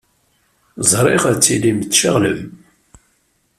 Ẓriɣ ad tilim tceɣlem.